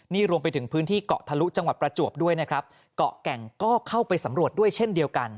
นี่รวมไปถึงพื้นที่เกาะทะลุจังหวัดประจวบด้วยนะครับเกาะแก่งก็เข้าไปสำรวจด้วยเช่นเดียวกัน